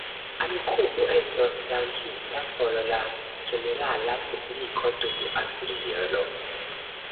Amikumu estos lanĉita por la ĝenerala publiko dum aprilo.